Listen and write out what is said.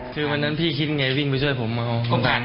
คือวันนั้นพี่คิดยังไงวิ่งไปช่วยผมเอา